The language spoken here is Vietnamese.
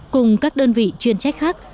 cùng các đơn vị chuyên trách khác